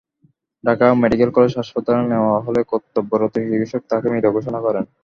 Dhaka medical college হাসপাতালে নেওয়া হলে কর্তব্যরত চিকিৎসক তাঁকে মৃত ঘোষণা করেন।